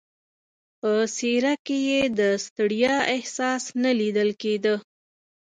په څېره کې یې د ستړیا احساس نه لیدل کېده.